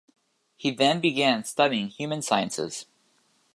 He then began studying human sciences.